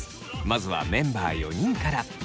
まずはメンバー４人から。